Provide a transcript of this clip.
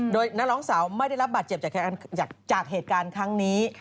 โดยนักร้องสาวไม่ได้รับบาดเจ็บจากเหตุการณ์ครั้งนี้